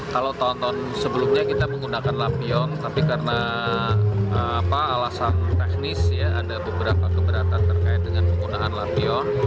kalau tahun tahun sebelumnya kita menggunakan lampion tapi karena alasan teknis ya ada beberapa keberatan terkait dengan penggunaan lampion